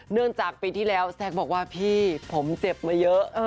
เนื่องจากปีที่แล้วแซ็กบอกว่าพี่ผมเจ็บมาเยอะ